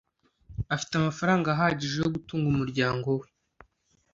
Afite amafaranga ahagije yo gutunga umuryango we.